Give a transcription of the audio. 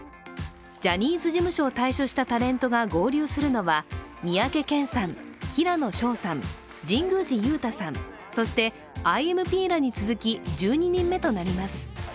ジャニーズ事務所を退所したタレントが合流するのは三宅健さん、平野紫耀さん、神宮寺勇太さん、そしてＩＭＰ．らに続き１２人目となります。